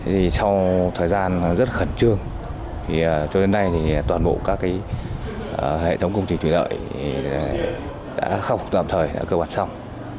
trong thời gian rất khẩn trương cho đến nay toàn bộ các hệ thống công trình thủy lợi đã khắc phục tạm thời cơ bản xong